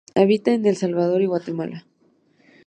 Habita en El Salvador y Guatemala.